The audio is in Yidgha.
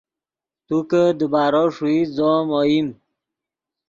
تو کہ دیبارو ݰوئیت زو ام اوئیم